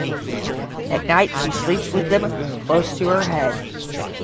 At night she sleeps with them close to her head.